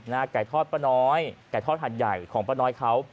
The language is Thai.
ไก่ทอดป้าน้อยไก่ทอดหัดใหญ่ของป้าน้อยเขา